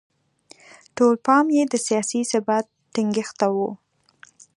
ټول پام یې د سیاسي ثبات ټینګښت ته و.